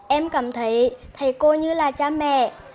em cảm thấy thầy cô như là cha mẹ